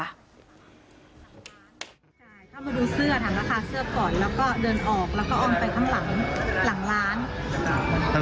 ใช่เข้ามาดูเสื้อถามราคาเสื้อก่อนแล้วก็เดินออก